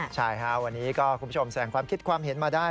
ใช่ค่ะวันนี้ก็คุณผู้ชมแสดงความคิดความเห็นมาได้